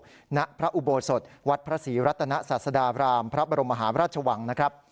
ทรงเมล็ดพันธุ์สำหรับพระปลูกณพระอุโบสถวัดพระศรีรัตนศาสดารามพรพรรมฮราชวัง